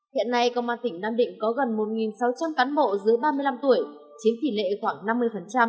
hiện nay công an tỉnh nam định có gần một sáu trăm linh cán bộ dưới ba mươi năm tuổi chiếm tỷ lệ khoảng năm mươi